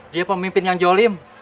dia pemimpin yang jolim